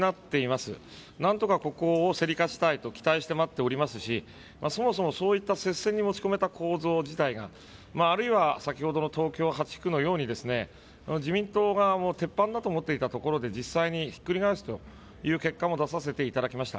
ここをなんとか競り勝ちたいと期待していますしそもそもそういった接戦に持ち込めた構造自体が、あるいは先ほどの東京８区のように自民党がテッパンだと思っていたところで実際にひっくり返すという結果も出させていただきました。